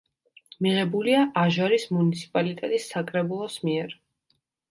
მიღებულია აჟარის მუნიციპალიტეტის საკრებულოს მიერ.